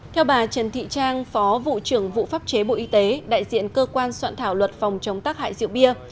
theo bà trần thị trang phó vụ trưởng vụ pháp chế bộ y tế đại diện cơ quan soạn thảo luật phòng chống tác hại rượu bia